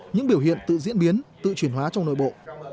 những biểu hiện tự diễn biến tự chuyển hóa trong nội bộ